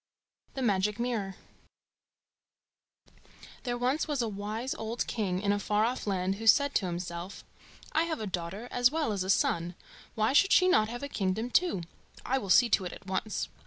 ] The Magic Mirror There was once a wise old king in a far off land who said to himself, "I have a daughter as well as a son; why should she not have a kingdom too? I will see to it at once."